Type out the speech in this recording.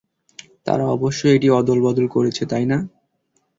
তারা অবশ্যই এটি অদলবদল করেছে তাইনা।